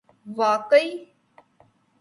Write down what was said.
واقعی